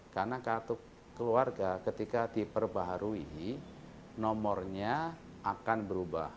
karena kartu keluarga ketika diperbaharui nomornya akan berubah